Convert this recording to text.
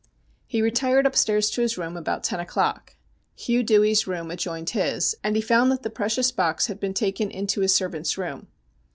He retired upstairs to his room about ten o'clock. Hugh Dewey's room adjoined his, and he found that the precious box had been taken into his servant's room.